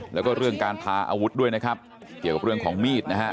แล้วก็เรื่องการพาอาวุธด้วยนะครับเกี่ยวกับเรื่องของมีดนะฮะ